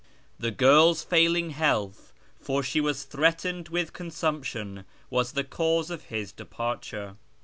The girl's failing health (for she was threatened with consumption) was the cause of his departure.